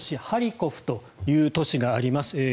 ハリコフという都市があります。